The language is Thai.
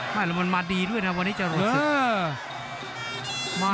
มันมาดีด้วยนะวันที่จนแบบลด๖๔